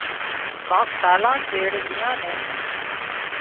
ڪانڪ سالان چيڙ ايئان نين